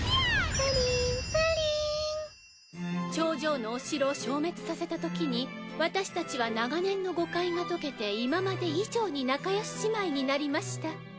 頂上のお城を消滅させたときに私たちは長年の誤解が解けて今まで以上に仲よし姉妹になりました。